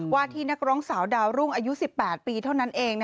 ที่นักร้องสาวดาวรุ่งอายุ๑๘ปีเท่านั้นเอง